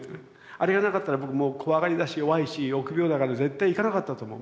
あれがなかったら僕もう怖がりだし弱いし臆病だから絶対いかなかったと思う。